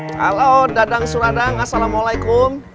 halo dadang suradang assalamualaikum